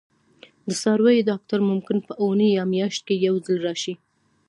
د څارویو ډاکټر ممکن په اونۍ یا میاشت کې یو ځل راشي